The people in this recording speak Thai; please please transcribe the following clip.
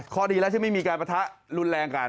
ดีแล้วที่ไม่มีการประทะรุนแรงกัน